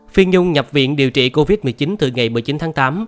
phiên nhung nhập viện điều trị covid một mươi chín từ ngày một mươi chín tháng tám